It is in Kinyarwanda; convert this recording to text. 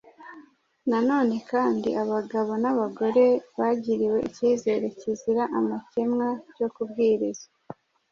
Na none kandi abagabo n’abagore bagiriwe icyizere kizira amakemwa cyo kubwiriza